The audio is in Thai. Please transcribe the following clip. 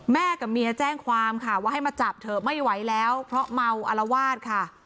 แม่กับเมียแจ้งความค่ะว่าให้มาจับเถอะไม่ไหวแล้วเพราะเมาอลวาสค่ะ